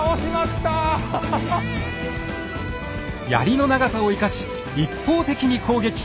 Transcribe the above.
槍の長さを生かし一方的に攻撃。